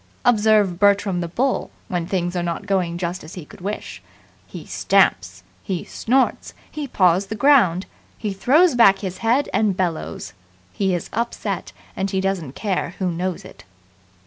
Observe Bertram the Bull when things are not going just as he could wish. He stamps. He snorts. He paws the ground. He throws back his head and bellows. He is upset, and he doesn't care who knows it.